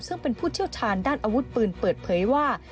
ซึ่งเป็นผู้เชี่ยวชาญด้านอาวุธปืนเปิดเผยว่า